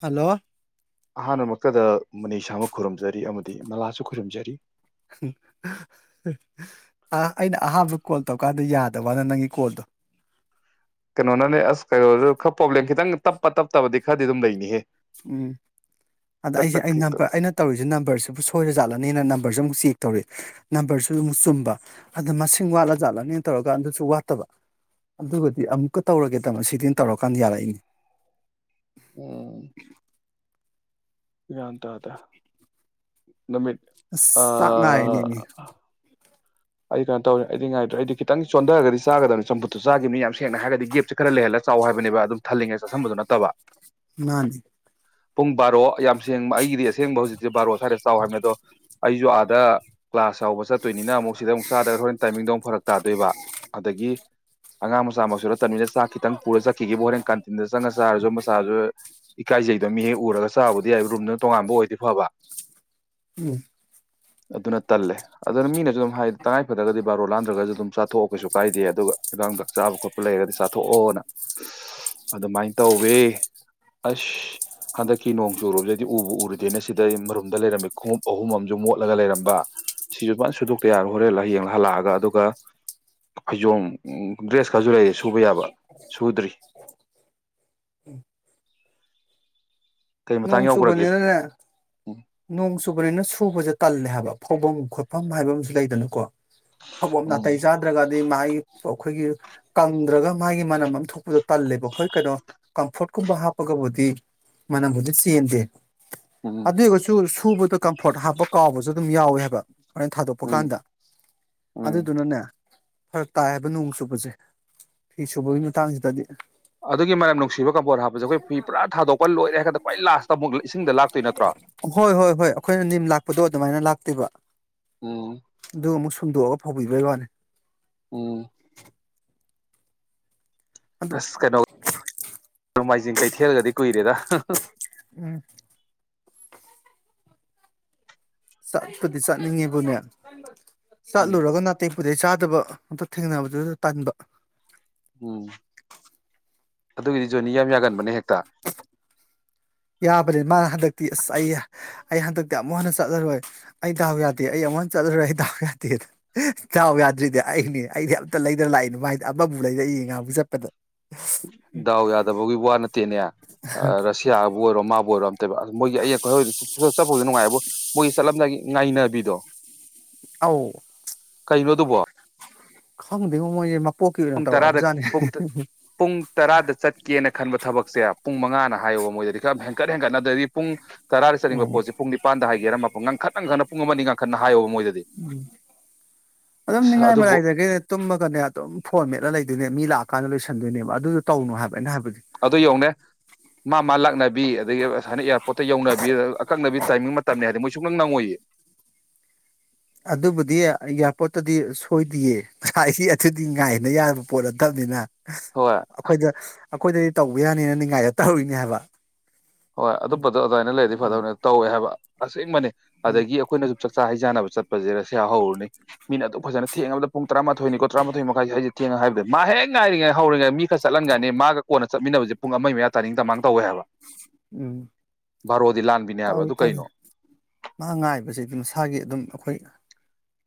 hello ꯑꯍꯥꯟꯕ ꯃꯛꯇꯗ ꯃꯅꯤꯁꯥꯃ ꯈꯨꯔꯨꯝꯖꯔꯤ ꯑꯃꯗꯤ ꯅꯂꯥꯁꯨ ꯈꯨꯔꯨꯝꯖꯔꯤ ꯍꯍ ꯑꯥ ꯑꯩꯅ ꯑꯍꯥꯟꯕ ꯀꯣꯜ ꯇꯧꯔꯀꯥꯟꯗ ꯌꯥꯗꯕꯋꯥꯅꯦ ꯅꯪꯒꯤ ꯀꯣꯜꯗꯣ ꯀꯩꯅꯣꯅꯅꯦ ꯑꯁ ꯀ ꯈ ꯄꯣꯕ꯭ꯂꯦꯝ ꯈꯈꯤꯇꯪ ꯇꯞꯄ ꯇꯞꯇꯕꯗꯤ ꯈꯔꯗꯤ ꯑꯗꯨꯝ ꯂꯩꯅꯤꯍꯦ ꯎꯝ ꯑꯗ ꯇꯛ ꯑꯩꯁꯦ ꯇꯛ ꯑꯩ ꯍꯦꯛꯇ ꯅꯝꯕꯔ ꯑꯩꯅ ꯇꯧꯔꯤꯁꯦ ꯅꯝꯕꯔꯁꯤꯕꯨ ꯁꯣꯏꯔꯖꯥꯠꯂꯅꯦꯅ ꯅꯝꯕꯔꯁꯤ ꯑꯃꯨꯛ ꯆꯦꯛ ꯇꯧꯔꯤ ꯅꯝꯕꯔꯁꯨ ꯑꯃꯨꯛ ꯆꯨꯝꯕ ꯑꯗ ꯃꯁꯤꯡ ꯋꯥꯠꯂꯖꯥꯠꯂꯅꯦꯅ ꯇꯧꯔꯀꯥꯟ ꯑꯗꯨꯁꯨ ꯋꯥꯠꯇꯕ ꯑꯗꯨꯒꯗꯤ ꯑꯃꯨꯛꯀ ꯇꯧꯔꯒꯦꯗ ꯃꯁꯤꯗꯤ ꯇꯧꯔꯀꯥꯟꯗ ꯌꯥꯔꯛꯏꯅꯤ [inaudible] ꯌꯥꯥꯟ ꯇꯥꯗꯦ ꯅꯨꯃꯤꯠ ꯑꯁ ꯑ ꯆꯥꯛ ꯉꯥꯏꯔꯤꯅꯦꯃꯤ ꯑꯩ ꯀꯩꯅꯣ ꯇꯧꯅꯤ ꯑꯩꯗꯤ ꯉꯥꯏꯗ꯭ꯔꯦ ꯑꯩꯗꯤ ꯈꯤꯇꯪ ꯆꯣꯟꯊꯔꯒꯗꯤ ꯆꯥꯗꯕꯅꯤ ꯆꯝꯐꯨꯠꯇꯨ ꯆꯥꯈꯤꯕꯅꯤ ꯌꯥꯝ ꯁꯦꯡꯅ ꯍꯥꯢꯔꯒꯗꯤ ꯒꯦꯞꯁ ꯈꯔ ꯂꯩꯍꯜꯂ ꯆꯥꯎ ꯍꯥꯏꯕꯅꯦ ꯑꯗꯨꯝ ꯊꯜꯂꯤꯉꯩ ꯆꯠꯁꯟꯕꯗꯨ ꯅꯠꯇꯕ ꯃꯥꯅꯦ ꯄꯨꯡ ꯕꯥꯔꯣ ꯌꯥꯝ ꯁꯦꯡꯕ ꯑꯩ ꯗꯤ ꯑꯁꯦꯡꯕ ꯍꯧꯖꯤꯛꯁꯦ ꯕꯥꯔꯣ ꯁ꯭ꯋꯥꯏꯗ ꯆꯥꯎ ꯍꯥꯏꯕꯅꯤ ꯑꯗꯣ ꯑꯩꯁꯨ ꯑꯥꯗ ꯀ꯭ꯂꯥꯁ ꯌꯥꯎꯕ ꯆꯠꯇꯣꯏꯅꯤꯅ ꯑꯃꯨꯛ ꯃꯨꯛ ꯆꯥꯗꯒ ꯍꯣꯔꯦꯟ ꯇꯥꯏꯃꯤꯡꯗꯨꯃꯨꯛ ꯐꯔꯛ ꯇꯥꯗꯣꯏꯕ ꯑꯗꯒꯤ ꯑꯉꯥꯡ ꯃꯆꯥ ꯃꯛꯁꯨꯨ ꯅꯠꯇꯕꯅꯤꯅ ꯆꯥꯛ ꯈꯤꯇꯪ ꯄꯨꯔ ꯆꯠꯈꯤꯒꯦꯕꯨ ꯍꯣꯔꯦꯟ ꯀꯥꯟꯇꯤꯟꯗ ꯆꯪꯉꯒ ꯆꯥꯔꯁꯨ ꯑꯃ ꯆꯥꯔꯁꯨ ꯏꯀꯥꯏꯖꯩꯗꯣ ꯃꯤ ꯍꯦꯛ ꯎꯔꯒ ꯆꯥꯕꯗꯤ ꯌꯥꯏ ꯔꯨꯝꯗꯨꯅ ꯇꯣꯉꯥꯟꯕ ꯑꯣꯏꯗꯤ ꯐꯕ ꯎꯝ ꯑꯗꯨꯅ ꯇꯜꯂꯦ ꯑꯗꯨꯅ ꯃꯤꯅꯁꯨ ꯑꯗꯨꯝ ꯍꯥꯏ ꯇꯉꯥꯏ ꯐꯗꯒꯗꯤ ꯕꯥꯔꯣ ꯂꯥꯟꯗ꯭ꯔꯒꯁꯨ ꯑꯗꯨꯝ ꯆꯥꯊꯣꯛꯑꯣ ꯀꯩꯁꯨ ꯀꯥꯏꯗꯦ ꯑꯗꯨꯒ ꯍꯤꯗꯥꯡꯗ ꯆꯥꯕ ꯈꯣꯠꯄ ꯂꯩꯔꯗꯤ ꯆꯥꯊꯣꯛꯑꯣꯅ ꯑꯗꯨꯃꯥꯏꯅ ꯇꯧꯋꯦ ꯑꯁ ꯍꯟꯗꯛꯀꯤ ꯅꯣꯡ ꯆꯨꯨꯔꯨꯕꯗꯗꯤ ꯎꯕ ꯎꯔꯨꯗꯦꯅ ꯁꯤꯗꯩ ꯃꯔꯨꯝꯗ ꯂꯩꯔꯝꯃꯤ ꯈꯣꯡꯎꯞ ꯑꯍꯨꯝ ꯑꯃꯁꯨ ꯃꯣꯠꯂꯒ ꯂꯩꯔꯝꯕ ꯁꯤꯁꯨ ꯐꯅ ꯁꯨꯗꯣꯛꯇ ꯌꯥꯔ ꯍꯣꯔꯦꯟ ꯍꯌꯦꯡ ꯍꯜꯂꯛꯑꯒ ꯑꯗꯨꯒ ꯐꯩꯖꯣꯝ ꯗ꯭ꯔꯦꯁꯀꯁꯨ ꯂꯩ ꯁꯨꯕ ꯌꯥꯕ ꯁꯨꯗ꯭ꯔꯤ ꯀꯩ ꯅꯣꯡ ꯃꯇꯥꯡ ꯌꯥꯎꯈ꯭ꯔꯒꯦ ꯆꯨꯕꯅꯤꯅꯅꯦ ꯎꯝ ꯅꯣꯡ ꯆꯨꯕꯅꯤꯅ ꯁꯨꯕꯁꯦ ꯇꯜꯂꯦ ꯍꯥꯏꯕ ꯐꯧꯐꯝ ꯈꯣꯠꯐꯝ ꯍꯥꯏꯕ ꯑꯃꯁꯨ ꯂꯩꯗꯅꯀꯣ ꯐꯧꯚꯝ ꯎꯝ ꯅꯥꯇꯩ ꯆꯥꯗ꯭ꯔꯒꯗꯤ ꯃꯥꯒꯤ ꯑꯩꯈꯣꯏꯒꯤ ꯀꯪꯗ꯭ꯔꯒ ꯃꯥꯒꯤ ꯃꯅꯝ ꯑꯃ ꯊꯣꯛꯄꯗꯣ ꯇꯜꯂꯦꯕ ꯍꯣꯏ ꯀꯩꯅꯣ ꯀꯝꯐꯣꯔꯠꯀꯨꯝꯕ ꯍꯥꯞꯄꯒꯕꯨꯗꯤ ꯃꯅꯝꯕꯨꯗꯤ ꯆꯦꯟꯗꯦ ꯎꯝ ꯑꯗꯨꯏꯒꯁꯨ ꯁꯨꯕꯗꯣ ꯀꯝꯐꯣꯔꯠ ꯍꯥꯞꯄ ꯀꯥꯎꯕꯁꯨ ꯑꯗꯨꯝ ꯌꯥꯎꯋꯦ ꯍꯥꯏꯕ ꯍꯣꯔꯦꯟ ꯊꯥꯗꯣꯛꯄ ꯎꯝ ꯀꯥꯟꯗ ꯎꯝ ꯑꯗꯨꯗꯨꯅꯅꯦ ꯐꯔꯛ ꯇꯥꯏ ꯍꯥꯏꯕ ꯅꯣꯡ ꯆꯨꯕꯁꯦ ꯐꯤ ꯁꯨꯕꯒꯤ ꯃꯇꯥꯡꯁꯤꯗꯗꯤ ꯑꯗꯨꯒꯤ ꯃꯅꯝ ꯅꯨꯡꯁꯤꯕ ꯀꯝꯐꯣꯔꯠ ꯍꯥꯞꯄꯁꯦ ꯑꯩꯈꯣꯏ ꯐꯤ ꯄꯨꯔꯥ ꯊꯥꯗꯣꯛꯄ ꯂꯣꯏꯔꯦ ꯍꯥꯏ ꯀꯥꯟꯗ ꯈ꯭ꯋꯥꯏ ꯂꯥꯁꯇ ꯑꯃꯨꯛ ꯏꯁꯤꯡꯗ ꯂꯥꯛꯇꯣꯏ ꯅꯠꯇ꯭ꯔꯣ ꯍꯣꯏ ꯍꯣꯏ ꯑꯩꯈꯣꯏꯅ ꯅꯤꯝ ꯂꯥꯛꯄꯗꯣ ꯑꯗꯨꯃꯥꯏꯅ ꯂꯥꯛꯇꯣꯢꯕ ꯎꯝ ꯑꯗꯨꯃꯨꯛ ꯁ ꯁꯨꯝꯗꯣꯛꯑꯒ ꯐꯧꯕꯤꯕꯩ ꯋꯥꯅꯤ ꯎꯝ ꯑꯗꯣ ꯑꯁ ꯀꯩꯅꯣ ꯅꯣꯡꯃꯥꯏꯖꯤꯡ ꯀꯩꯊꯦꯜꯒꯗꯤ ꯀꯨꯏꯔꯦꯗ ꯍꯍ ꯎꯝ ꯆꯠꯄꯗꯤ ꯆꯠꯅꯤꯡꯉꯤꯕꯨꯅꯦ ꯎꯝ ꯆꯠꯂꯨꯔꯒ ꯅꯥꯇꯩ ꯄꯨꯗꯩ ꯆꯥ ꯐꯠꯇꯕ ꯑ ꯊꯦꯡꯅꯕꯗꯨꯗ ꯇꯟꯕ ꯎꯝ ꯑꯗꯨꯒꯤꯗꯤ ꯖꯣꯅꯤ ꯌꯥꯝ ꯌꯥꯒꯟꯕꯅꯦ ꯍꯦꯛꯇ ꯇꯥꯕꯅꯤ ꯃꯥꯅ ꯍꯟꯗꯛꯇꯤ ꯑꯁ ꯑꯩ ꯑꯩ ꯍꯟꯗꯛꯇꯤ ꯑꯃꯨꯛ ꯍꯟꯅ ꯆꯠꯂꯔꯣꯏ ꯑꯩ ꯗꯥꯎ ꯌꯥꯗꯦ ꯑꯩ ꯑꯃꯨꯛ ꯍꯟꯅ ꯆꯠꯂꯔꯣꯏ ꯑꯩ ꯗꯥꯎ ꯌꯥꯗꯦꯗ ꯗꯥꯎ ꯌꯥꯗ꯭ꯔꯤꯗꯤ ꯑꯩꯅꯦ ꯑꯩꯗꯤ ꯑꯝꯇ ꯂꯩꯗꯅ ꯂꯥꯛꯏꯅꯦ ꯃꯥꯏꯗꯤ ꯑꯃꯕꯨ ꯂꯩꯔꯛꯏꯌꯦ ꯉꯥꯍꯥꯟꯃꯨꯛ ꯆꯠꯄꯗ ꯗꯥꯎ ꯌꯥꯗꯕꯒꯤ ꯋꯥ ꯅꯠꯇꯦꯅꯦ ꯑ ꯔꯁꯤꯌꯥ ꯕꯨ ꯑꯣꯏꯔꯣ ꯃꯥꯕꯨ ꯑꯣꯏꯔꯣ ꯑꯝꯇ ꯃꯣꯏꯒꯤ ꯑ ꯍꯣꯏ ꯆꯠꯄꯕꯨꯗꯤ ꯅꯨꯡꯉꯥꯏꯕꯣ ꯃꯣꯏꯒꯤ ꯆꯠꯂꯝꯗꯥꯏ ꯉꯥꯏꯅꯕꯤꯗꯣ ꯑꯧ ꯀꯩꯅꯣ ꯑꯗꯨꯕꯣ ꯈꯪꯗꯦꯉꯣ ꯃꯣꯏꯁꯦ ꯃꯄꯣꯛꯀꯤ ꯑꯣꯏꯅ ꯄꯨꯡ ꯇꯔꯥꯗ ꯇꯧꯔꯛꯑꯕꯖꯥꯠꯅꯦ ꯄꯨꯡ ꯇ ꯇꯔꯥꯗ ꯆꯠꯀꯦꯅ ꯈꯟꯕ ꯊꯕꯛꯁꯦ ꯄꯨꯡ ꯃꯉꯥꯅ ꯍꯥꯏꯌꯣꯕ ꯃꯣꯏꯗꯗꯤ ꯈꯔ ꯍꯦꯟꯀꯠ ꯍꯦꯟꯀꯠꯅ ꯗ꯭ꯔꯗꯤ ꯄꯨꯡ ꯇꯔꯥꯗ ꯆꯠꯅꯤꯡꯕ ꯎꯝ ꯄꯣꯠꯁꯦ ꯄꯨꯡ ꯅꯤꯄꯥꯟꯗ ꯍꯥꯏ ꯑꯟꯏꯟꯇꯦꯜꯂꯤꯖꯤꯕꯜ ꯉꯟꯈꯠ ꯉꯟꯈꯠꯅ ꯄꯨꯡ ꯑꯃ ꯑꯅꯤ ꯉꯟꯈꯠꯅ ꯍꯥꯏꯌꯣꯕ ꯃꯣꯏꯗꯗꯤ ꯎꯝ ꯑꯗꯨꯝ ꯑꯁ ꯅꯤꯡꯉꯥꯏ ꯑꯗꯨꯕꯨ ꯃꯔꯥꯏꯗꯒꯤꯅꯦ ꯇꯨꯝꯃꯒꯅꯦ ꯑꯗꯨꯝ ꯐꯣꯟ ꯃꯦꯠꯂ ꯂꯩꯗꯣꯏꯅꯦꯕ ꯃꯤ ꯂꯥꯛꯑꯀꯥꯟꯗ ꯂꯣꯏꯁꯟꯗꯣꯏꯅꯦꯕ ꯑꯗꯨꯗꯣ ꯇꯧꯅꯨ ꯍꯥꯏꯕ ꯑꯩꯅ ꯍꯥꯏꯕꯗꯤ ꯑꯗꯨ ꯌꯣꯡꯅꯦ ꯃꯥ ꯃꯥ ꯂꯥꯛꯅꯕꯤ ꯑꯗꯒꯤ ꯑꯁꯥꯏꯅ ꯑꯦꯌꯥꯔꯄꯣꯔꯠꯇ ꯌꯧꯅꯕꯤ ꯑꯀꯛꯅꯕꯤ ꯇꯥꯏꯃꯤꯡ ꯃꯇꯝꯅꯤ ꯍꯥꯏꯗꯤ ꯃꯣꯏ ꯁꯨꯛꯅꯪ ꯅꯪꯉꯏꯌꯦ ꯍ ꯑꯗꯨꯕꯨꯗꯤ ꯏꯌꯥꯔꯄꯣꯔꯠꯇꯗꯤ ꯁꯣꯏꯗꯤꯌꯦ ꯑꯟꯏꯟꯇꯦꯜꯂꯤꯖꯤꯕꯜ ꯑꯗꯨꯗꯤ ꯉꯥꯏꯅ ꯌꯥꯕ ꯄꯣꯠ ꯅꯠꯇꯕꯅꯤꯅ ꯍꯣꯏ ꯑꯩꯈꯣꯏꯗ ꯑꯩꯈꯣꯏꯗꯗꯤ ꯇꯧꯕ ꯌꯥꯅꯤꯅ ꯅꯤꯡꯉꯥꯏꯗꯣ ꯇꯧꯔꯤꯅꯦ ꯍꯥꯏꯕ ꯍꯣꯏ ꯑꯗꯨꯝꯕꯗꯣ ꯑꯗꯨꯃꯥꯏꯅ ꯂꯩꯔꯗꯤ ꯐꯗꯧꯅꯦꯕ ꯇꯧꯋꯦ ꯍꯥꯏꯕ ꯑꯁꯦꯡ ꯕꯅꯦ ꯎꯝ ꯑꯗꯒꯤ ꯑꯩꯈꯣꯏꯅꯁꯨ ꯆꯥꯛꯆꯥ ꯍꯩꯖꯥꯟꯅꯕ ꯆꯠꯄꯁꯦ ꯔꯁꯤꯌꯥ ꯍꯧꯔꯨꯅꯤ ꯃꯤꯅ ꯑꯗꯨ ꯐꯖꯅ ꯊꯦꯡꯉꯕꯗ ꯄꯨꯡ ꯇꯔꯥꯊꯣꯏꯅꯤꯀꯣ ꯇꯔꯥꯊꯣꯏ ꯃꯈꯥꯏꯁꯤ ꯊꯦꯡꯉ ꯍꯥꯏꯕꯗꯨꯗꯤ ꯃꯥ ꯍꯦꯛ ꯉꯥꯏꯔꯤꯉꯩ ꯍꯧꯔꯤꯉꯩ ꯃꯤ ꯅ ꯆꯠꯂꯟꯒ꯭ꯔꯅꯤ ꯃꯥꯒ ꯀꯣꯟ ꯆꯠꯃꯤꯟꯅꯕꯁꯦ ꯄꯨꯡ ꯑꯃꯒꯤ ꯃꯌꯥ ꯇꯥꯅꯤꯡ ꯇꯃꯥꯡ ꯇꯧꯋꯦ ꯍꯥꯏꯕ ꯎꯝ ꯚꯥꯔꯣꯗꯤ ꯂꯥꯟꯕꯤꯅꯦ ꯍꯥꯏꯕ ꯇꯧꯏ ꯑꯗꯨ ꯇꯧꯏ ꯀꯩꯅꯣ ꯃꯥ ꯉꯥꯏꯕꯁꯤꯗꯤ ꯃꯁꯥꯒꯤ ꯑꯗꯨꯝ ꯑꯩꯈꯣꯏ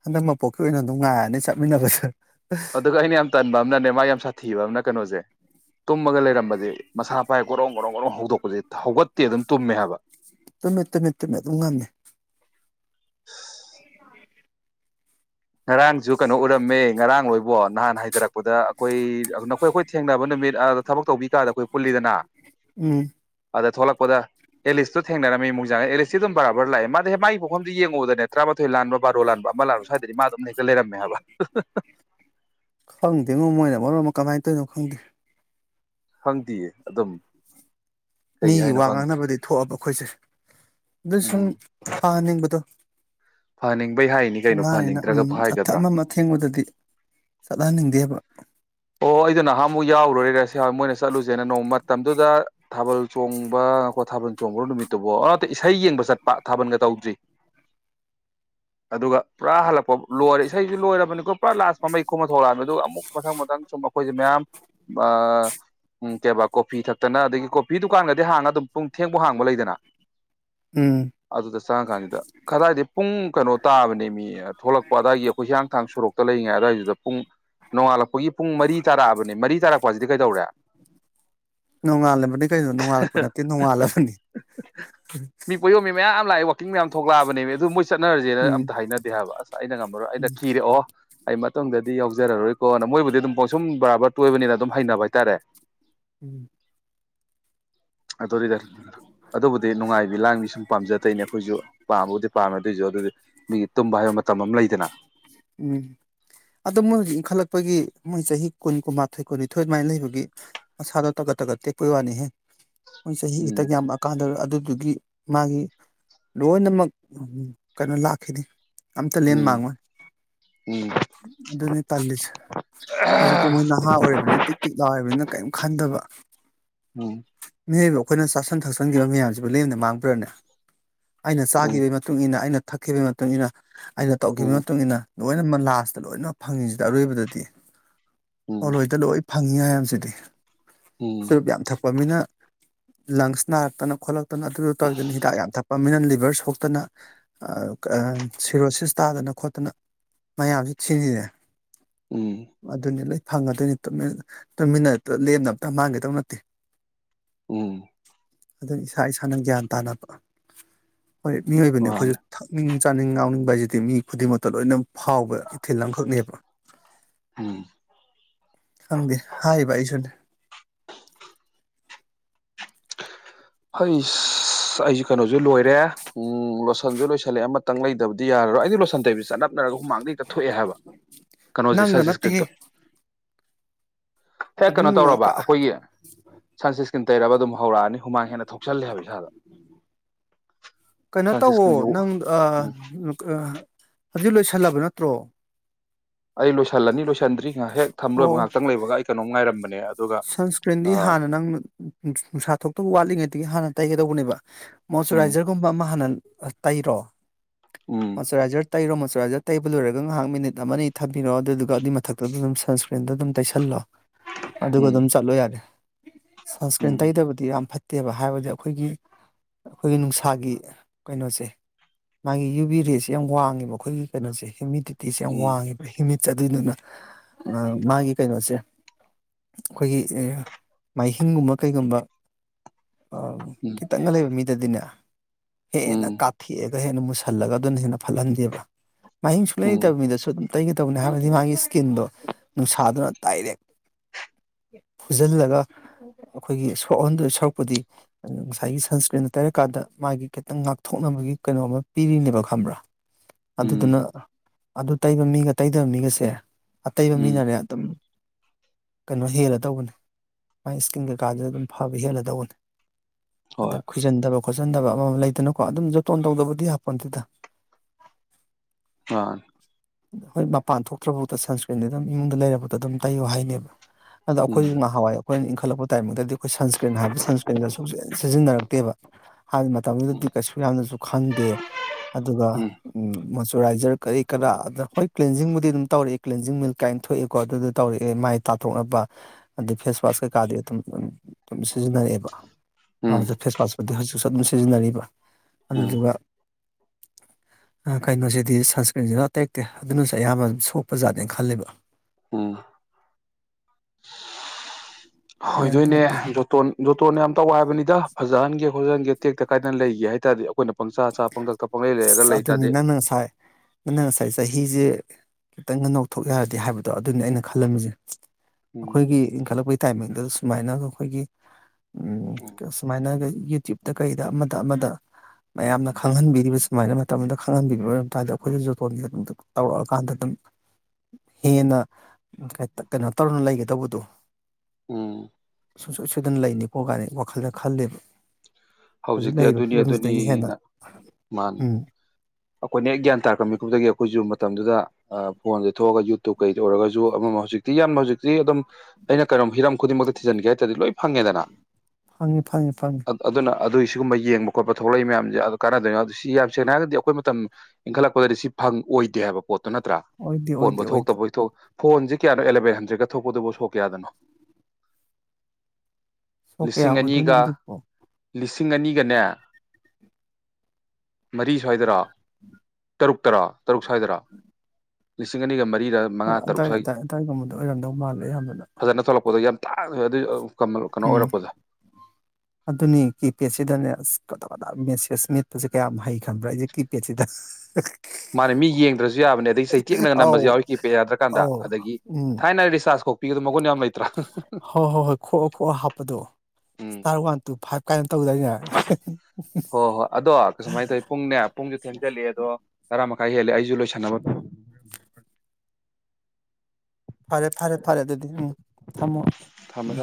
ꯍꯟꯗꯛ ꯃꯄꯣꯛꯀꯤ ꯑꯣꯏꯅ ꯑꯗꯨꯝ ꯉꯥꯏꯔꯅꯤ ꯆꯠꯃꯤꯟꯅꯕꯗ ꯑꯗꯨꯒ ꯑꯩꯅ ꯌꯥꯝ ꯇꯟꯕ ꯑꯃꯅꯅꯦ ꯃꯥ ꯌꯥꯝ ꯁꯥꯊꯤꯕ ꯑꯃꯅ ꯀꯩꯅꯣꯁꯦ ꯇꯨꯝꯃꯒ ꯂꯩꯔꯝꯕꯁꯦ ꯃꯁꯥ ꯄꯥꯏ ꯒꯣꯔꯣꯣꯡ ꯣꯔꯣꯡ ꯣꯔꯣꯡ ꯍꯧꯗꯣꯛꯄꯁ ꯍꯧꯒꯠꯇꯤ ꯑꯗꯨꯝ ꯇꯨꯝꯃꯦ ꯍꯥꯏꯕ ꯊꯃꯦ ꯇꯃꯦꯠꯇꯃꯦ ꯊꯨꯡ ꯉꯅꯤ ꯑ ꯉꯔꯥꯡꯁꯨ ꯀꯩꯅꯣ ꯎꯔꯝꯃꯦ ꯉꯔꯥꯡ ꯂꯣꯏꯕꯣ ꯅꯍꯥꯟ ꯍꯥꯏꯊꯔꯛꯄꯗ ꯀꯣꯏ ꯅꯈꯣꯏ ꯑꯩꯈꯣꯏ ꯊꯦꯡꯅꯕꯅ ꯅ ꯃ ꯑ ꯊꯕꯛ ꯇꯧꯕꯤ ꯀꯥꯟꯗ ꯑꯩꯈꯣꯏ ꯄꯨꯜꯂꯤꯗꯅ ꯎꯝ ꯑꯗ ꯊꯣꯛꯂꯛꯄꯗ ꯑꯦꯂꯤꯁꯇꯣ ꯊꯦꯡꯅꯔꯝꯃꯤ ꯃꯨꯡꯖꯥꯅ ꯑꯦꯂꯤꯁꯤ ꯑꯗꯨꯝ ꯕꯥꯔ ꯂꯥꯛꯑ ꯃꯥꯗꯤꯦ ꯃꯥꯒꯤꯣꯐꯝꯁꯤ ꯌꯦꯡꯉꯨꯗꯅꯦ ꯇꯔꯥꯊꯣꯏ ꯂꯥꯟꯕ ꯕꯥꯔꯣ ꯂꯥꯟꯕ ꯑꯃꯥꯟꯥꯟꯕ ꯁ꯭ꯏꯗ [unintelligible] ꯈꯪꯗꯦꯉꯣ ꯃꯣꯏꯅ ꯃꯔꯣ ꯑꯃ ꯀꯃꯥꯏꯅ ꯇꯧꯔꯤꯅꯣ ꯈꯪꯗꯦ ꯈꯪꯗꯤꯌꯦ ꯑꯗꯨꯝ ꯀꯩ ꯃꯤꯒꯤ ꯍꯥꯏꯅꯣ ꯋꯥ ꯈꯪꯗꯦ ꯉꯥꯡꯅꯕꯗꯤ ꯊꯣꯛꯑꯕ ꯑꯩꯈꯣꯏꯁꯦ ꯑꯗꯨ ꯁꯨꯝ ꯄꯥꯍꯟꯅꯤꯡꯕꯗ ꯠꯇꯣ ꯐ ꯑꯉꯥꯡꯅꯤꯅ ꯎꯝ ꯑꯊ ꯑꯃ ꯑꯃ ꯊꯦꯡꯕꯗꯗꯤ ꯆꯠꯍꯟꯅꯤꯡꯗꯦ ꯗꯕ ꯑꯣ ꯑꯩꯗꯣ ꯅꯍꯥꯟꯃꯨꯛ ꯌꯥꯎꯔꯨꯔꯦꯔꯁꯎ ꯃꯣꯏꯅ ꯆꯠꯂꯨꯁꯦꯅ ꯅꯣꯡ ꯃꯇꯝꯗꯨꯗ ꯊꯥꯕꯜ ꯆꯣꯡꯕꯀꯣ ꯊꯥꯕꯜ ꯆꯣꯡꯕ ꯅꯨꯃꯤꯠꯇꯨꯕꯣ ꯅꯇ ꯏꯁꯩ ꯌꯦꯡꯕ ꯆꯠꯄ ꯊꯥꯕꯜꯒ ꯇꯧꯗ꯭ꯔꯤ ꯑꯗꯨꯒ ꯄꯨꯔꯥ ꯍꯜꯂꯛꯄ ꯂꯣꯏꯔꯦ ꯏꯁꯩꯁꯨ ꯂꯣꯏꯔꯕꯅꯤꯀꯣ ꯄꯨꯔꯥ ꯂꯥꯁ ꯃꯃꯩ ꯈꯣꯃ ꯊꯣꯛꯂꯛꯑꯅꯤ ꯑꯗꯨꯒ ꯑꯃꯨꯛ ꯃꯊꯪ ꯃꯊꯪ ꯁꯨꯝ ꯑꯩꯈꯣꯏꯁꯦ ꯃꯌꯥꯝ ꯎ ꯎ ꯀꯩꯕꯥ ꯀꯣꯐꯤ ꯊꯛꯇꯅ ꯑꯗꯒꯤ ꯀꯣꯐꯤ ꯗꯨꯀꯥꯟꯒꯗꯤ ꯍꯥꯡꯉ ꯑꯗꯨꯝ ꯄꯨꯡ ꯊꯦꯡꯕꯨ ꯍꯥꯡꯕ ꯂꯩꯗꯅ ꯎꯝ ꯑꯗꯨꯗ ꯆꯪꯉꯀꯥꯟꯁꯤꯗ ꯀꯗꯥꯏꯗꯤ ꯄꯨꯡ ꯀꯩꯅꯣ ꯇꯥꯕꯅꯦ ꯃꯤ ꯊꯣꯛꯂꯛꯄ ꯑꯗꯥꯏꯒꯤ ꯑꯩꯈꯣꯏ ꯍꯤꯌꯥꯡꯊꯥꯡ ꯁꯣꯔꯣꯛꯇ ꯂꯩꯉꯩꯥꯏ ꯑꯗꯨꯋꯥꯏꯁꯤꯗ ꯄꯨꯡ ꯅꯣꯡꯉꯥꯜꯂꯛꯄꯒꯤ ꯄꯨꯡ ꯃꯔꯤ ꯇꯥꯔꯛꯑꯕꯅꯦ ꯃꯔꯤ ꯇꯥꯔꯛꯄ ꯁꯤꯗꯤ ꯀꯩꯗꯧꯔꯦ ꯅꯣꯡꯉꯥꯜꯂꯕꯅꯤ ꯀꯩꯅꯣ ꯅꯣꯡꯉꯥꯜꯂꯛꯄ ꯅꯠꯇꯦ ꯅꯣꯡꯉꯥꯜꯂꯕꯅꯤ ꯃꯤ ꯄꯣꯌꯣꯝꯃꯤ ꯃꯌꯥꯝ ꯂꯥꯛꯑꯦ ꯋꯥꯀꯤꯡ ꯃꯌꯥꯝ ꯊꯣꯛꯂꯛꯑꯕꯅꯦꯕ ꯑꯗꯨ ꯃꯣꯏ ꯆꯠꯅꯔꯁꯦꯅ ꯎꯝ ꯑꯝꯇ ꯍꯥꯏꯅꯗꯦ ꯍꯥꯏꯕ ꯑꯁ ꯑꯩꯅ ꯉꯝꯃꯔꯣ ꯑꯩꯅ ꯎꯝ ꯈꯤꯔꯦ ꯑꯣ ꯑꯩ ꯃꯇꯨꯡꯗꯗꯤ ꯌꯥꯎꯖꯔꯔꯣꯏꯀꯣꯅ ꯃꯣꯏꯕꯨꯗꯤ ꯑꯗꯨꯝ ꯃꯣꯏ ꯁꯨꯝ ꯕꯔꯥꯕꯔ ꯇꯣꯏꯕꯅꯤꯅ ꯑꯗꯨꯝ ꯍꯩꯅꯕ ꯍꯥꯏꯇꯥꯔꯦ ꯎꯝ ꯑꯗꯨꯅꯤꯗ ꯑꯗꯨꯕꯨꯗꯤ ꯅꯨꯡꯉꯥꯏꯕꯤ ꯂꯥꯡꯕꯤ ꯁꯨꯝ ꯄꯥꯝꯖ ꯇꯧꯋꯤꯅꯤ ꯑꯩꯈꯣꯏꯁꯨ ꯄꯥꯝꯕꯕꯨꯗꯤ ꯄꯥꯝꯃꯦ ꯑꯗꯨꯏꯁꯨ ꯑꯗꯨꯗꯤ ꯃꯤꯒꯤ ꯇꯨꯝꯕ ꯍꯥꯏꯕ ꯃꯇꯝ ꯑꯃ ꯂꯩꯗꯅ ꯎꯝ ꯑꯗꯣ ꯃꯣꯏ ꯍꯧꯖꯤꯛ ꯏꯟꯈꯠꯂꯛꯄꯒꯤ ꯃꯣꯏ ꯆꯍꯤ ꯀꯨꯟ ꯀꯨꯟꯃꯥꯊꯣꯏ ꯀꯨꯟꯅꯤꯊꯣꯏ ꯑꯗꯨꯃꯥꯏꯅ ꯂꯩꯕꯒꯤ ꯃꯁꯥꯗꯣ ꯇꯒꯠ ꯇꯒꯠ ꯇꯦꯛꯄꯩ ꯋꯥꯅꯤꯍꯦ ꯃꯣꯏ ꯆꯍꯤ ꯍꯦꯛꯇ ꯎꯝ ꯌꯥꯝꯃꯛꯑꯀꯥꯟꯗ ꯑꯗꯨ ꯗꯨꯒꯤ ꯃꯥꯒꯤ ꯂꯣꯏꯅꯃꯛ ꯀꯩꯅꯣ ꯂꯥꯛꯈꯤꯅꯤ ꯑꯝꯇ ꯂꯦꯝ ꯎꯝ ꯃꯥꯥꯡꯑꯣꯢ ꯎꯝ ꯑꯗꯨꯅꯦ ꯇꯜꯂꯤꯁꯦ ꯍꯧꯖꯤꯛꯇꯤ ꯃꯣꯏ ꯅꯍꯥ ꯑꯣꯏꯔꯤꯕꯅꯤꯅ ꯇꯤꯛ ꯇꯤꯛ ꯂꯥꯎꯔꯤꯕꯅꯤꯅ ꯀꯔꯤꯝ ꯈꯟꯗꯕ ꯎꯝ ꯎꯝ ꯃꯤꯌꯣꯢꯕ ꯑꯩꯈꯣꯏꯅ ꯆꯥꯁꯤꯟ ꯊꯛꯆꯟꯈꯤꯕ ꯃꯌꯥꯝꯁꯤꯕꯨ ꯂꯦꯝꯅ ꯃꯥꯡꯕ꯭ꯔꯅꯦ ꯑꯩꯅ ꯎꯝ ꯆꯥꯈꯤꯕꯒꯤ ꯃꯇꯨꯡ ꯏꯟꯅ ꯑꯩꯅ ꯊꯛꯈꯤꯕꯒꯤ ꯃꯇꯨꯡꯏꯟꯅ ꯑꯩꯅ ꯇꯧꯈꯤꯕ ꯂꯣꯏꯅꯃꯛ ꯂꯥꯁꯇ ꯂꯣꯏꯅꯃꯛ ꯐꯪꯉꯤꯁꯤꯗꯤ ꯑꯔꯣꯏꯕꯗꯗꯤ ꯎꯝ ꯄꯣꯂꯣꯏꯗ ꯂꯣ ꯐꯪꯉꯤ ꯌꯥꯝꯁꯤꯗꯤ ꯎꯝ ꯆꯨꯔꯨꯞ ꯌꯥꯝ ꯊꯛ ꯄꯃꯤꯅ ꯂꯪꯁ ꯅꯥꯔꯛꯇꯅ ꯈꯣꯠꯂꯛ ꯇꯅ ꯑꯗꯨꯅ ꯇꯧꯔꯗꯅ ꯍꯤꯗꯥꯛ ꯌꯥꯝ ꯊꯛ ꯄꯃꯤꯅ ꯂꯤꯚꯔ ꯁꯣꯛꯇꯅ ꯁꯤꯔꯣꯁꯤꯁ ꯇꯥꯗꯅꯣ ꯈꯣꯠ ꯇꯅ ꯃꯌꯥꯝꯁꯤ ꯁꯤꯅꯤꯅꯦ ꯎꯝ ꯃ ꯑꯗꯨꯅꯦ ꯂꯩ ꯐꯪꯉꯗꯣꯏꯅꯤ ꯇꯨꯃꯤꯟ ꯇꯨꯃꯤꯟꯅ ꯂꯦꯝꯅꯃꯇ ꯃꯥꯡꯒꯤꯗꯧ ꯅꯠꯇꯦ ꯎꯝ ꯑꯗꯨꯅ ꯏꯁꯥ ꯏꯁꯥꯅ ꯒ꯭ꯌꯥꯟ ꯇꯥꯅꯕ ꯍꯣꯏ ꯃꯤꯑꯣꯏꯕꯅꯤ ꯑꯩꯈꯣꯏꯁꯨ ꯃꯥꯅꯦ ꯊꯛꯅꯤꯡ ꯆꯥꯅꯤꯡ ꯉꯥꯎꯅꯤꯡꯕ ꯍꯥꯏꯁꯤꯗꯤ ꯃꯤ ꯈꯨꯗꯤꯡꯃꯛ ꯇ ꯂꯣꯏꯅ ꯐꯥꯎꯕ ꯏꯊꯤꯜ ꯑꯃꯈꯛꯅꯦꯕ ꯎꯝ ꯈꯪꯗꯦ ꯍꯥꯏꯔꯤꯕ ꯑꯩꯁꯨꯅꯦ ꯍꯩꯏꯁ ꯑꯩꯁ ꯀꯩꯅꯣꯁꯨ ꯂꯣꯏꯔꯦ ꯎꯝ ꯂꯣꯁꯟꯁꯨ ꯂꯣꯏꯁꯜꯂꯦ ꯑꯃꯇꯪ ꯂꯩꯗꯕꯗꯤ ꯌꯥꯔꯔꯣꯏ ꯑꯩꯗꯤ ꯂꯣꯁꯟ ꯇꯣꯏꯕꯤ ꯆꯠꯅꯞꯅꯔꯒ ꯎꯃꯥꯡꯗꯩꯛꯇꯊ ꯊꯣꯛꯑꯦ ꯍꯥꯏꯕ ꯀꯩꯅꯣꯁꯦ ꯅꯪꯗ ꯅꯠꯇꯦꯍꯦ ꯁꯟꯁꯁꯀ꯭ꯔꯤꯠꯇꯣ ꯍꯦꯛ ꯑꯗꯨꯝ ꯀꯩꯅꯣ ꯇꯧꯔꯕ ꯑꯩꯈꯣꯏꯒꯤ ꯁꯟꯁꯤꯁ ꯁꯀꯤ ꯇꯩꯔꯕ ꯑꯗꯨꯝ ꯍꯧꯔꯛꯑꯅꯤ ꯍꯨꯃꯥꯡ ꯍꯦꯟꯅ ꯊꯣꯛꯆꯜꯂꯦ ꯍꯥꯏꯕ ꯏꯁꯥꯗ ꯀꯩꯅꯣ ꯇꯧꯋꯣ ꯁꯟꯁꯀ꯭ꯔꯤꯟꯒꯤ ꯅꯪ ꯎꯝ ꯍꯧꯖꯤꯛ ꯂꯣꯏꯁꯜꯂꯕ ꯅꯠꯇ꯭ꯔꯣ ꯑꯩ ꯂꯣꯁꯥꯂꯥꯅꯤ ꯂꯣꯁꯥꯟꯗꯤ ꯁꯤ ꯉꯍꯦꯛ ꯊꯝꯂꯣꯏꯕ ꯑꯣ ꯉꯍꯥꯛꯇꯪ ꯂꯩꯕꯒ ꯑꯩꯩꯅꯣ ꯉꯥꯏꯔꯝꯕꯅꯤ [unintelligible] ꯁꯟꯁꯀ꯭ꯔꯤꯟꯗꯤ ꯍꯥꯟꯅ ꯅꯪꯅ ꯅꯨꯡꯁꯥ ꯊꯣꯛꯣꯛꯇꯕ ꯋꯥꯠꯂꯤꯉꯩꯗꯒꯤ ꯍꯥꯟꯅ ꯇꯥꯏꯒꯩꯗꯧꯕꯅꯦꯕ ꯃꯣꯏ ꯎꯝ ꯔꯥꯏꯖꯔꯒꯨꯝ ꯑꯃ ꯍꯅꯅ ꯇꯥꯏꯔꯣ ꯎꯝ ꯄꯆꯔꯖꯔ ꯇꯩꯔꯣ ꯃꯣꯆꯨꯔꯥꯏꯖꯔ ꯇꯩꯕ ꯂꯣꯏꯔꯒ ꯉꯥꯏꯍꯥꯛ ꯃꯤꯅꯤꯠ ꯑꯃ ꯑ ꯊꯥꯕꯤꯔꯛꯑꯣ ꯑꯗꯨꯗꯨꯒ ꯑꯗꯨꯒꯤ ꯃꯊꯛꯇꯗ ꯑꯗꯨꯝ ꯁꯟꯁꯀ꯭ꯔꯤꯟꯗ ꯑꯗꯨꯝ ꯇꯩꯁꯜꯂꯣ ꯑꯗꯨꯒ ꯎꯝ ꯑꯗꯨꯝ ꯆꯠꯂꯣ ꯌꯥꯔꯦ ꯁꯟꯁꯀ꯭ꯔꯤꯟ ꯎꯝ ꯇꯩꯗꯕꯗꯤ ꯌꯥꯝ ꯐꯠꯇꯩ ꯅꯠꯇꯦꯕ ꯍꯥꯏꯕꯗꯤ ꯑꯩꯈꯣꯏꯒꯤ ꯑꯩꯈꯣꯏꯒꯤ ꯅꯨꯡꯁꯥꯒꯤ ꯀꯩꯅꯣꯁꯦ ꯃꯥꯒꯤ ꯌꯨ ꯕꯤ ꯔꯦꯁꯦ ꯌꯥꯝ ꯋꯥꯡꯉꯦꯕ ꯑꯩꯈꯣꯏꯒꯤ ꯀꯩꯅꯣꯁꯦ ꯍ꯭ꯌꯨꯃꯤꯗꯤꯇꯤ ꯇꯤꯤꯁꯦ ꯌꯥꯝ ꯎꯝ ꯋꯥꯡꯉꯕ꯭ꯔ ꯍꯤꯃꯤꯠ ꯆ ꯑꯗꯨꯏꯗꯨꯅ ꯃꯥꯒꯤ ꯀꯩꯅꯣꯁꯦ ꯑꯩꯈꯣꯏꯒꯤ ꯃꯥꯏꯍꯤꯡꯒꯨꯝꯕ ꯀꯩꯒꯨꯝꯕ ꯑ ꯎꯝ ꯀꯈꯤꯇꯪꯒ ꯂꯩ ꯃꯤ ꯑꯗꯨꯦꯗꯅ ꯍꯦꯟꯅ ꯎꯝ ꯀꯥꯊꯦꯛꯑꯒ ꯍꯦꯟꯅ ꯃꯨꯁꯤꯜꯂꯒ ꯑꯗꯨꯅ ꯍꯦꯟꯅ ꯐꯠꯍꯟꯗꯦꯕ ꯃꯍꯤꯡ ꯁꯨꯡꯂꯩ ꯂꯩꯇꯕ ꯎꯝ ꯃꯤꯗꯁꯨ ꯑꯗꯨꯝ ꯇꯩꯒꯗꯧꯅꯤ ꯍꯥꯏꯕꯗꯤ ꯃꯥꯒꯤ ꯏꯁꯀꯤꯟꯗꯣ ꯅꯨꯡꯁꯥꯗꯨꯅ ꯇꯥꯏꯔ ꯐꯨꯖꯤꯜꯂꯒ ꯑꯩꯈꯣꯏꯒꯤ ꯁꯣꯛꯍꯟꯗꯣꯏ ꯁꯔꯨꯛꯄꯨꯗꯤ ꯉꯁꯥꯏꯒꯤ ꯁꯟꯁꯀ꯭ꯔꯤꯟꯗ ꯇꯩꯔꯀꯥꯟꯗ ꯃꯥꯒꯤ ꯈꯤꯇꯪ ꯉꯥꯛꯊꯣꯛꯅꯕꯒꯤ ꯀꯩꯅꯣ ꯑꯃ ꯄꯤꯔꯤꯅꯦꯕ ꯈꯪꯕ꯭ꯔꯥ ꯎꯝ ꯑꯗꯨꯗꯨꯅ ꯑꯗꯨ ꯇꯩꯕ ꯃꯤꯒ ꯇꯩꯗꯕ ꯃꯤꯒꯁꯦ ꯑꯇꯩꯕ ꯎꯝ ꯃꯤꯅꯔꯦ ꯑꯗꯨꯝ ꯀꯩꯅꯣ ꯍꯦꯜꯂꯗꯧꯕꯅꯤ ꯃꯥꯏ ꯏꯁꯀꯤꯟ ꯀꯩꯀꯥꯗꯨꯗ ꯑꯗꯨꯝ ꯐꯕ ꯍꯦꯜꯂꯗꯧꯕꯅꯤ ꯑꯗ ꯍꯣꯏ ꯈꯖꯟꯗꯕ ꯈꯣꯠꯆꯟꯗꯕ ꯑꯃ ꯑꯃ ꯂꯩꯗꯅꯀꯣ ꯑꯗꯨꯝ ꯖꯣꯇꯣꯟ ꯇꯧꯗꯕꯨꯗꯤ ꯍꯥꯄꯣꯟꯗꯗ ꯑ ꯍꯣꯏ ꯃꯄꯥꯟ ꯊꯣꯛꯇ꯭ꯔꯐꯥꯎꯗ ꯁꯟꯁꯀ꯭ꯔꯤꯟꯗꯤ ꯑꯗꯨꯝ ꯏꯃꯨꯡꯗ ꯂꯩꯔꯕꯕꯨꯥꯎꯗ ꯑꯗꯨꯝ ꯇꯩꯌꯣ ꯍꯥꯏ ꯅꯦꯃ ꯑꯗꯣ ꯑꯩꯈꯣꯏꯁꯨ ꯎꯝ ꯅꯍꯋꯥꯏ ꯑꯩꯈꯣꯏꯅ ꯏꯟꯈꯠꯂꯛꯄ ꯇꯥꯏꯃꯤꯡꯗꯗꯤ ꯑꯩꯈꯣꯏ ꯁꯟꯁ꯭ꯀ꯭ꯔꯤꯟ ꯍꯥꯏꯕ ꯁꯟꯁ꯭ꯀ꯭ꯔꯤꯟ ꯒ ꯁꯨꯛꯁꯤꯟ ꯁꯤꯖꯤꯟꯅꯔꯛꯇꯦꯕ ꯍꯥꯏꯗꯤ ꯃꯇꯝꯗꯨꯗꯗꯤ ꯀꯩꯁꯨ ꯌꯥꯝꯅꯁꯨ ꯈꯪꯗꯦ ꯑꯗꯨꯒ ꯎꯝ ꯃꯣꯏꯆꯨꯔꯥꯏꯖꯔ ꯀꯔꯤ ꯀꯔꯥ ꯑꯗ ꯍꯣꯏ ꯀ꯭ꯂꯤꯟꯖꯤꯡꯕꯨꯗꯤ ꯑꯗꯨꯝ ꯇꯧꯔꯛꯑꯦ ꯀ꯭ꯂꯤꯦꯟꯖꯤꯡ ꯃꯤꯜꯛ ꯀꯥꯏꯅ ꯊꯣꯛꯏ ꯀꯣ ꯑꯗꯨꯗ ꯇꯧꯔꯛꯑꯦ ꯃꯥꯏ ꯇꯥꯊꯣꯛꯅꯕ ꯑꯗꯩ ꯐꯦꯁ ꯋꯥꯁ ꯀꯩꯀꯥꯗꯤ ꯑꯗꯨꯝ ꯑꯗꯨꯝ ꯁꯤꯖꯤꯟꯅꯔꯛꯑꯦꯕ ꯎꯝ ꯑꯗꯨ ꯐꯦꯁ ꯋꯥꯁꯄꯨꯗꯤ ꯍꯧꯖꯤꯛꯁꯨ ꯑꯗꯨꯝ ꯁꯤꯖꯤꯟꯅꯔꯤꯕ ꯎꯝ ꯑꯗꯨꯗꯨꯒ ꯀꯩꯅꯣꯁꯤꯗꯤ ꯁꯟꯁꯀ꯭ꯔꯤꯟꯁꯤꯅ ꯇꯩꯓꯛꯇꯦ ꯑꯗꯨꯅꯁꯨ ꯑꯌꯥꯝꯕ ꯁꯣꯛꯄ ꯖꯥꯠꯅꯦꯅ ꯈꯜꯂꯦꯕ ꯑꯝ [inaudible] ꯒ꯭ꯌꯥꯟ ꯍꯣꯏꯗꯣꯏꯅꯦ ꯇꯥꯗꯦ ꯖꯣꯇꯣꯟ ꯖꯣꯇꯣꯟ ꯌꯥꯝ ꯇꯧ ꯍꯥꯏꯕꯅꯤ ꯗ ꯐꯖꯍꯟꯒꯦ ꯈꯣꯠꯍꯟꯒꯦ ꯇꯦꯛꯇ ꯀꯥꯏꯗꯅ ꯂꯩꯒꯦ ꯍꯥꯏ ꯇꯥꯔꯗꯤ ꯑꯩꯈꯣꯏꯅ ꯄꯪꯆꯥ ꯆꯥ ꯄꯪꯊꯛꯇ ꯄꯪꯂꯩ ꯂꯩꯔꯒ ꯑꯁ ꯂꯩ ꯑꯗꯨꯅꯤ ꯇꯥꯔꯗꯤ ꯅꯪꯅ ꯉꯁꯥꯏ ꯅꯪꯅ ꯉꯁꯥꯏ ꯆꯍꯤꯁꯦ ꯈꯤꯇꯪ ꯉ ꯅꯧꯊꯣꯛ ꯌꯥꯔꯗꯤ ꯍꯥꯏꯕꯗꯣ ꯑꯗꯨꯅꯤ ꯑꯩꯅ ꯈꯜꯂꯝꯃꯤꯁꯦ ꯎꯝ ꯑꯩꯈꯣꯏꯒꯤ ꯏꯟꯈꯠꯂꯛꯄꯩ ꯇꯥꯏꯃꯤꯡꯗ ꯁꯨꯃꯥꯏꯅ ꯑꯩꯈꯣꯏꯒꯤ ꯎꯝ ꯀꯌꯥ ꯁꯃꯥꯏꯅꯒ ꯌꯨꯇ꯭ꯌꯨꯕꯇ ꯀꯩꯗ ꯑꯃꯗ ꯑꯃꯗ ꯃꯌꯥꯝꯅ ꯈꯪꯍꯟꯕꯤꯔꯤꯕ ꯁꯨꯃꯥꯏꯅ ꯃꯇꯝꯗꯨꯗ ꯈꯪꯍꯟꯕꯤꯕ ꯑꯣꯏꯔꯝ ꯇꯥꯗꯤ ꯑꯩꯈꯣꯏꯖꯨ ꯖꯣꯇꯣꯟꯗꯤ ꯑꯗꯨꯝ ꯇꯧꯔꯛꯑꯀꯥꯟꯗ ꯑꯗꯨꯝ ꯍꯦꯟꯅ ꯀꯩꯅꯣ ꯇꯧꯔꯅ ꯂꯩꯒꯗꯧꯕꯗꯨ ꯎꯝ ꯁꯨꯡꯁꯣꯏ ꯁꯣꯏꯗꯅ ꯂꯩꯅꯤꯀꯣ ꯒꯥꯏꯅ ꯋꯥꯈꯜꯗ ꯈꯜꯂꯦꯕ ꯍꯧꯖꯤꯛ ꯍꯧꯖꯤꯛꯇꯤ ꯂꯩꯔꯤꯕ ꯑꯗꯨꯅꯤ ꯐꯤꯕꯝꯁꯤꯗꯒꯤ ꯍꯦꯟꯅ ꯑꯗꯨꯅꯤꯅ ꯃꯥꯅꯤ ꯎꯝ ꯑꯩꯈꯣꯏꯅ ꯍꯦꯛ ꯒ꯭ꯌꯥꯟ ꯇꯥꯔꯛꯀ ꯃꯤꯀꯨꯞꯗꯒꯤ ꯑꯩꯈꯣꯏꯁꯨ ꯃꯇꯝꯗꯨꯗ ꯐꯣꯟꯁꯦ ꯊꯣꯛꯑꯒ ꯌꯨꯇꯨꯕ ꯀꯩꯗ ꯑꯣꯏꯔꯒꯁꯨ ꯑꯃꯃꯝ ꯍꯧꯖꯤꯛꯇꯤ ꯌꯥꯝꯅ ꯍꯧꯖꯤꯛꯇꯤ ꯑꯗꯨꯝ ꯑꯩꯅ ꯀꯩꯅꯣꯝ ꯍꯤꯔꯝ ꯈꯨꯗꯤꯡꯃꯛꯇ ꯊꯤꯖꯤꯟꯒꯦ ꯍꯥꯏꯇꯥꯔꯗꯤ ꯂꯣꯏ ꯐꯪꯉꯦꯗꯅ ꯐꯪꯉꯤ ꯐꯪꯉꯤ ꯐꯪꯉꯤ ꯑꯗꯨꯏ ꯁꯤꯒꯨꯝꯕ ꯌꯦꯡꯕ ꯈꯣꯠꯄ ꯊꯣꯛꯂꯛꯏ ꯃꯌꯥꯁꯦ ꯑꯗꯣ ꯀꯥꯟꯅꯗꯣꯏꯅꯤ ꯑꯗꯨ ꯁꯤ ꯌꯥꯝ ꯁꯦꯡꯅ ꯍꯥꯏꯔꯒꯗꯤ ꯑꯩꯈꯣꯏ ꯃꯇꯝ ꯏꯟꯈꯠꯂꯛꯄꯗꯗꯤ ꯁꯤ ꯐꯪ ꯑꯣꯏꯗꯦ ꯍꯥꯏꯕ ꯄꯣꯠꯇꯨ ꯅꯠꯇ꯭ꯔꯥ ꯑꯣꯏꯗꯦ ꯍꯣꯟꯕ ꯑꯣꯏꯗꯦ ꯑꯣꯏꯗꯦ ꯊꯣꯛꯇꯕꯣꯏ ꯐꯣꯟꯁꯤ ꯀꯌꯥꯅꯣ ꯑꯦꯂꯚꯦꯟ ꯍꯟꯗ꯭ꯔꯦꯗꯀ ꯊꯣꯛꯄꯗꯨꯕꯨ ꯁꯣꯛ ꯀꯌꯥꯗꯅꯣ ꯁꯣꯛ ꯀꯌꯥ ꯂꯤꯁꯤꯡ ꯑꯣꯏꯗꯣꯏꯅꯣ ꯑꯅꯤꯒ ꯑꯗꯨꯕꯣ ꯂꯤꯁꯤꯡ ꯑꯅꯤꯒꯅꯦ ꯃꯔꯤ ꯁ꯭ꯋꯥꯏꯗꯔꯣ ꯇꯔꯨꯛ ꯇꯔꯣ ꯇꯔꯨꯛ ꯁꯋꯥꯏꯗꯔꯣ ꯂꯤꯁꯤꯡ ꯑꯅꯤꯒ ꯃ ꯍꯣꯏ ꯑꯇꯥꯏ ꯑꯇꯥꯏ ꯑꯇꯥꯏꯒꯨꯝꯕꯗꯣ ꯑꯣꯏꯔꯝꯗꯧ ꯃꯥꯜꯂꯦ ꯑꯌꯥꯝꯕꯅ ꯇꯥꯗ ꯑꯗꯨꯏ ꯎ ꯀꯃꯜ ꯀꯩꯅꯣ ꯎꯝ ꯑꯣꯏꯔꯛꯄꯖꯦ ꯑꯗꯨꯅꯤ ꯀꯤꯄꯦꯗꯁꯤꯗꯅꯦ ꯑꯁ ꯀꯗꯥ ꯀꯗꯥ ꯃꯦꯁꯦꯁ ꯃꯦꯠꯄꯁꯦ ꯀꯌꯥꯝ ꯍꯩ ꯈꯟꯕ꯭ꯔꯥ ꯑꯩꯁꯦ ꯀꯤꯄꯦꯗꯁꯤꯗ ꯃꯥꯅꯦ ꯃꯤ ꯌꯦꯡꯗ꯭ꯔꯁꯨ ꯌꯥꯕꯅꯤ ꯑꯗꯒꯤ ꯆꯩ ꯇꯦꯛꯅꯒ ꯑꯧ ꯅꯝꯕꯁꯨ ꯌꯥꯎꯏꯤ ꯀꯤꯄꯦ ꯌꯥꯗ꯭ꯔꯀꯥꯟꯗ ꯑꯧ ꯑꯗꯒꯤ ꯎꯝ ꯊꯥꯏꯅ ꯔꯤꯆꯥꯔꯖꯐꯧ ꯃꯅ ꯌꯥꯝ ꯂꯩ ꯍꯣꯏ ꯍꯣꯏ ꯍꯣꯏ ꯈꯣꯑꯣꯣ ꯈꯣꯑꯣ ꯍꯥꯞꯄꯗꯣ um star one two five ꯀꯥꯏꯅ ꯇꯧꯗꯅꯦ ꯍꯣꯏ ꯍꯣꯏ ꯑꯗꯣ ꯁꯨꯃꯥꯏꯅ ꯇꯧꯋꯤ ꯄꯨꯡꯅꯦ ꯄꯨꯡꯁꯨ ꯊꯦꯡꯖꯜꯂꯛꯑꯦ ꯑꯗꯣ ꯇꯔꯥ ꯃꯈꯥꯏ ꯍꯦꯜꯂꯦ ꯑꯩꯁꯨ ꯂꯣꯏꯁꯥꯟꯅꯕ ꯐꯔꯦ ꯐꯔꯦ ꯐꯔꯦ ꯑꯗꯨꯗꯤ ꯎꯝ ꯊꯝꯃꯣ ꯊꯝꯃꯦ ꯊꯝꯃꯦ ꯎꯝ